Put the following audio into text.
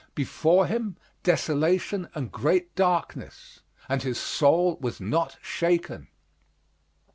Before him, desolation and great darkness! And his soul was not shaken.